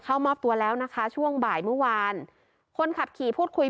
เข้ามอบตัวแล้วนะคะช่วงบ่ายเมื่อวานคนขับขี่พูดคุย